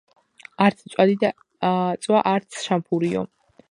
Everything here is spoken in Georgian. არც მწვადი დაწვა არც შამფურიო.